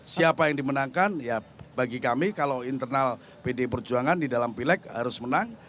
siapa yang dimenangkan ya bagi kami kalau internal pdi perjuangan di dalam pileg harus menang